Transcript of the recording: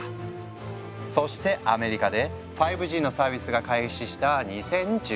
そしてアメリカで５Ｇのサービスが開始した２０１９年。